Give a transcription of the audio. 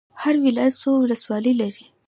هر ولایت څو ولسوالۍ لري؟